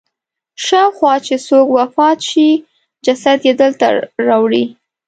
شاوخوا چې څوک وفات شي جسد یې دلته راوړي.